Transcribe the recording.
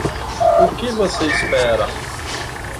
O que você espera